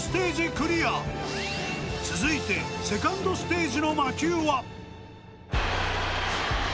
クリア続いてセカンドステージの魔球は？